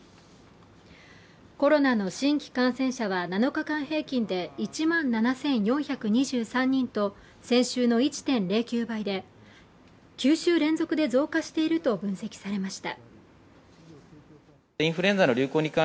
コロナの新規感染者は７日間平均で１万７４２３人と先週の１．０９倍で、９週連続で増加していると分析されました。